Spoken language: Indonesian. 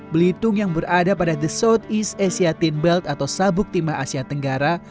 belitung yang berada pada the southeast asia team belt atau sabuk timah asia tenggara